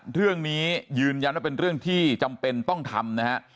เรื่องนี้ยืนยันว่าเป็นเรื่องที่จำเป็นต้องทำนะฮะ